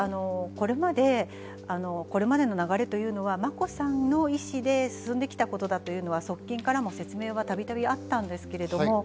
これまでの流れは眞子さんの意思で進んできたことだというのは、側近からもたびたびあったんですけれども。